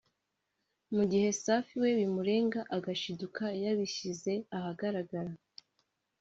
mu gihe Safi we bimurenga agashiduka yabishyize ahagaragara